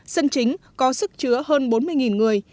sân chính có sức chứa hơn bốn mươi người